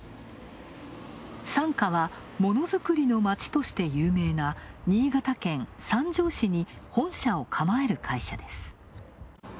ＳＡＮＫＡはものづくりの街として有名な新潟県三条市に本社を構える会社です。